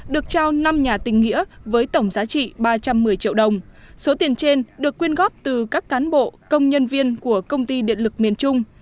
được trao năm nhà tình nghĩa với tổng giá trị ba trăm một mươi triệu đồng số tiền trên được quyên góp từ các cán bộ công nhân viên của công ty điện lực miền trung